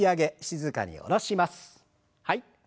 はい。